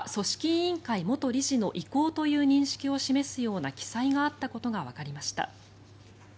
委員会元理事の意向という認識を示すような記載があったことがわかりました。